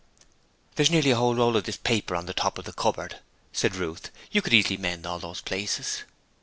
'There's nearly a whole roll of this paper on the top of the cupboard,' said Ruth. 'You could easily mend all those places.